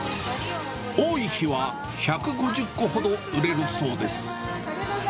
多い日は１５０個ほど売れるそうです。